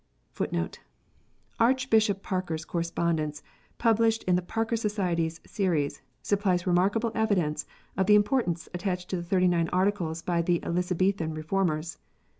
Archbishop Parker s Correspondence, published in the Parker Society s series, supplies remarkable evidence of the importance attached to the Thirty nine Articles by the Elizabethan Reformers.